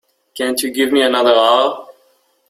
Can't you give me another hour?